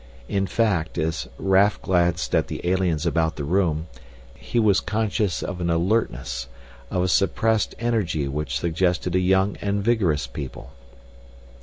In fact, as Raf glanced at the aliens about the room, he was conscious of an alertness, of a suppressed energy which suggested a young and vigorous people.